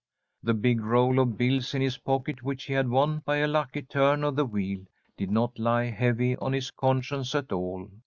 The big roll of bills in his pocket, which he had won by a lucky turn of the wheel, did not lie heavy on his conscience at all.